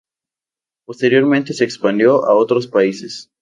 Posteriormente se expandió a otros países.